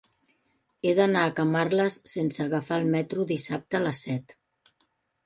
He d'anar a Camarles sense agafar el metro dissabte a les set.